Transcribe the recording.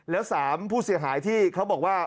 แล้ว๓ผู้เสียหายที่เขาบอกว่า